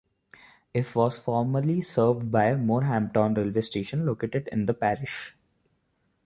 If was formerly served by Moorhampton railway station located in the parish.